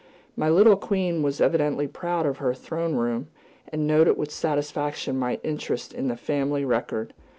My little queen was evidently proud of her throne room, and noted with satisfaction my interest in the Family Record.